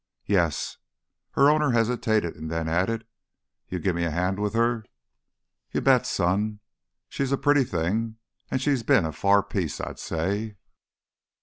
"Yes." Her owner hesitated and then added, "You give me a hand with her?" "You bet, son. She's a pretty thing, an' she's been a far piece, I'd say.